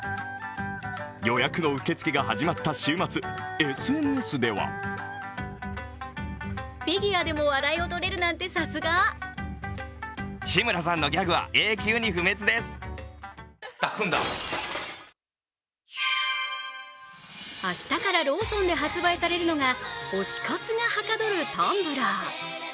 予約の受け付けが始まった週末、ＳＮＳでは明日からローソンで発売されるのが推し活がはかどるタンブラー。